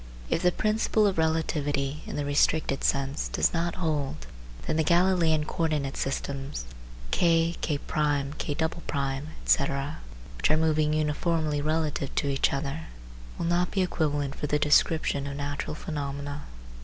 If the principle of relativity (in the restricted sense) does not hold, then the Galileian co ordinate systems K, K1, K2, etc., which are moving uniformly relative to each other, will not be equivalent for the description of natural phenomena.